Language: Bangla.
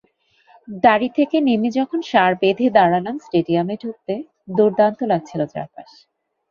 গাড়ি থেকে নেমে যখন সার বেঁধে দাঁড়ালাম স্টেডিয়ামে ঢুকতে, দুর্দান্ত লাগছিল চারপাশ।